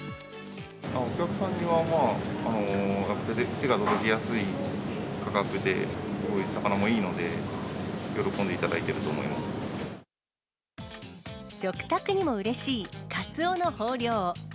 お客さんには手が届きやすい価格で、すごい魚もいいので、食卓にもうれしいカツオの豊漁。